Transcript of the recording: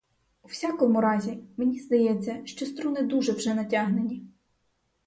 У всякому разі, мені здається, що струни дуже вже натягнені.